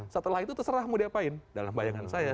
setelah itu terserah mau diapain dalam bayangan saya